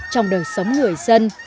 trong đời sống người dân